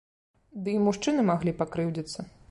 Ды і мужчыны маглі пакрыўдзіцца.